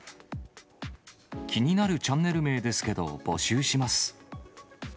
気になるチャンネル名ですけど、募集します。